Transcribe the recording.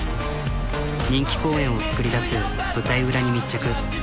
人気公演を作り出す舞台裏に密着。